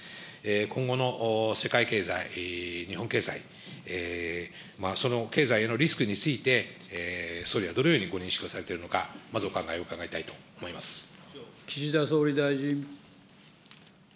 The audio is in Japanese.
今後の世界経済、日本経済、その経済へのリスクについて、総理はどのようにご認識をされているのか、岸田総理大臣。